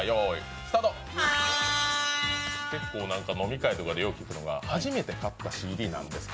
結構、飲み会とかで言うのは初めて買ったＣＤ何ですか？